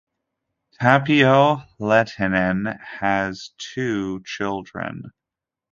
Tapio Lehtinen has two children.